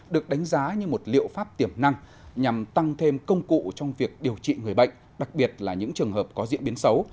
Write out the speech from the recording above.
được đánh giá như một liệu pháp tiềm năng nhằm tăng thêm công cụ trong việc điều trị người bệnh đặc biệt là những trường hợp có diễn biến xấu